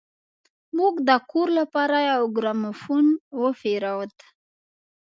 موږ د کور لپاره يو ګرامافون وپېرود.